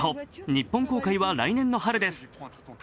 日本公開は来年の春です。